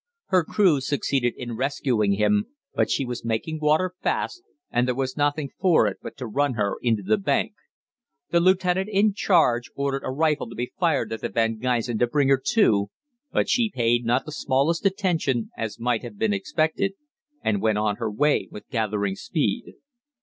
Her crew succeeded in rescuing him, but she was making water fast, and there was nothing for it but to run her into the bank. The lieutenant in charge ordered a rifle to be fired at the 'Van Gysen' to bring her to, but she paid not the smallest attention, as might have been expected, and went on her way with gathering speed.